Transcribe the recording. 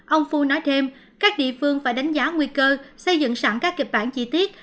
ông phu nói thêm các địa phương phải đánh giá nguy cơ xây dựng sẵn các kịch bản chi tiết